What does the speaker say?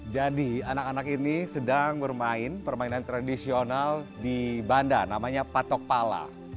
jadi anak anak ini sedang bermain permainan tradisional di banda namanya patok pala